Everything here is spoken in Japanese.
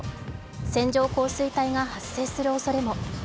線状降水帯が発生するおそれも。